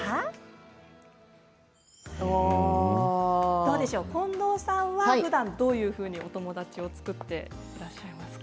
どうでしょう、近藤さんはふだんどういうふうにお友達を作っていらっしゃいますか？